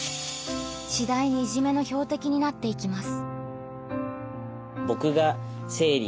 次第にいじめの標的になっていきます。